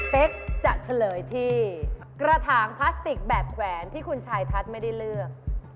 เป๊กจะเฉลยที่กระถางพลาสติกแบบแขวนที่คุณชายทัศน์ไม่ได้เลือก